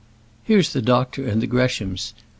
Here's the doctor and the Greshams.